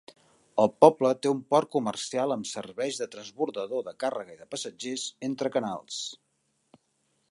El poble té un port comercial amb serveis de transbordador de càrrega i de passatgers entre canals.